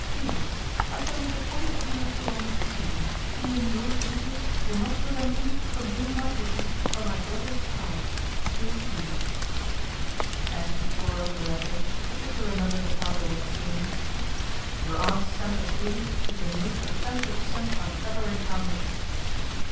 " P.S. I shall make a point of coming up to London soon. Even your rudeness will not prevent me from doing my duty by my brother's child. A. B." As she tore up the letter, Patricia remembered her father once saying, " Your aunt's sense of duty is the most offensive sense I have ever encountered."